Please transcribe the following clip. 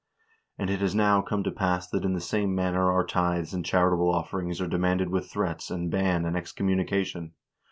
And it has now come to pass that in the same manner our tithes and charitable offerings are demanded with threats and ban and excommunication.